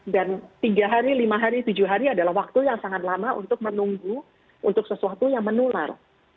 tiga hari lima hari tujuh hari adalah waktu yang sangat lama untuk menunggu untuk sesuatu yang menular